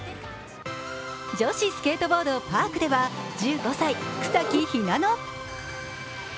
女子スケートボード・パークでは１５歳・草木ひなの。